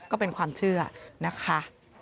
ก็เป็นความเชื่อนะคะ